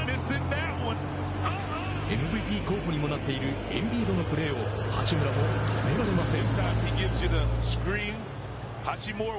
ＭＶＰ候補にもなっているエンビードのプレーを八村も止められません。